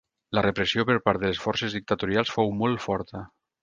La repressió per part de les forces dictatorials fou molt forta.